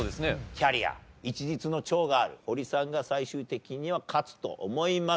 キャリア一日の長があるホリさんが最終的には勝つと思います。